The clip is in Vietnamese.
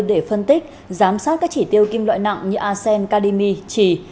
để phân tích giám sát các chỉ tiêu kim loại nặng như asen kadimi trì